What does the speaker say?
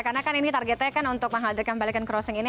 karena kan ini targetnya kan untuk menghadirkan balik and crossing ini